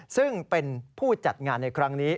ซึ่งเป็นผู้จัดงานในครั้งนี้